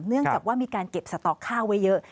เนื่องจากว่ามีการเก็บสต๊อกข้าวไว้เยอะ